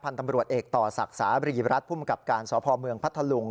พันธุ์ตำรวจเอกต่อศักดิ์ศาสตร์บริหรัฐผู้มกับการสพเมืองพัทธลุง